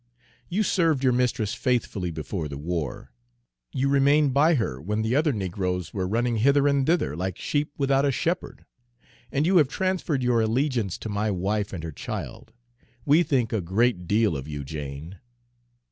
You served your mistress faithfully before the war; you remained by her when the other negroes were running hither and thither like sheep without a shepherd; and you have transferred your allegiance to my wife and her child. We think a great deal of you, Jane."